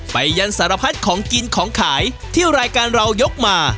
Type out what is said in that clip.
ยันสารพัดของกินของขายที่รายการเรายกมา